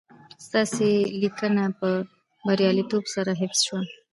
ستاسي لېنکه په برياليتوب سره حفظ شوه